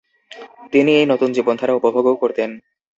তিনি এই নতুন জীবনধারা উপভোগও করতেন।